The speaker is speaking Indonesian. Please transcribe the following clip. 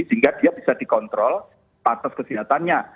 sehingga dia bisa dikontrol batas kesehatannya